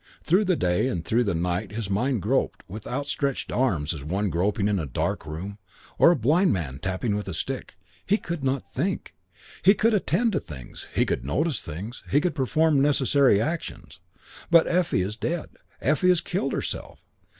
Through the day and through the night his mind groped with outstretched arms as one groping in a dark room, or as a blind man tapping with a stick. He could not think. He could attend to things; he could notice things; he could perform necessary actions; but "Effie is dead." "Effie has killed herself."